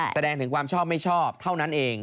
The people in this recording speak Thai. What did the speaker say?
แสดงถึงความชอบไม่ชอบเท่านั้นเอง